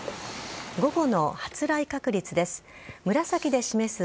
午後の発雷確率です。